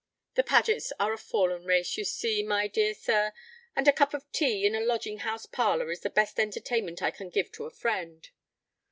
The Pagets are a fallen race, you see, my dear sir, and a cup of tea in a lodging house parlour is the best entertainment I can give to a friend.